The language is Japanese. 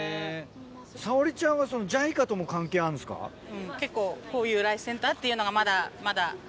沙織ちゃんは、そのＪＩＣＡともうん、結構、こういうライスセンターっていうのがまだまだ。